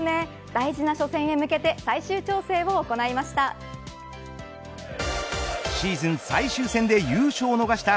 大事な初戦へ向けて最終調整を行いました。